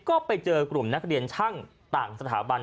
ก็ไปเจอกลุ่มนักเรียนช่างต่างสถาบัน